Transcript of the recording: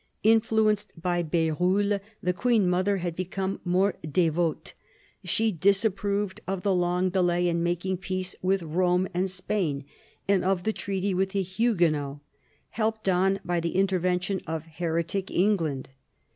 In fluenced by B6rulle, the Queen mother had become more devote ; she disapproved of the long delay in making peace with Rome and Spain, and of the treaty with the Hugue nots, helped on by the intervention of heretic England.